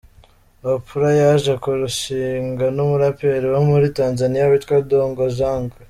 Oprah yaje kurushinga n’umuraperi wo muri Tanzaniya witwa Dogo Janja.